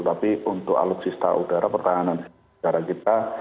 tapi untuk alutsista udara pertahanan udara kita